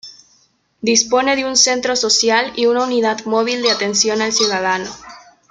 Dispone de un Centro Social y una Unidad Móvil de Atención al Ciudadano.